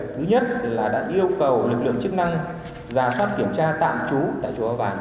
thứ nhất là đã yêu cầu lực lượng chức năng ra phát kiểm tra tạm trú tại chùa ba vàng